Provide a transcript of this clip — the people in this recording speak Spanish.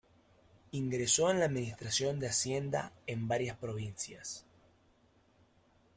Ingresó en la Administración de Hacienda, en varias provincias.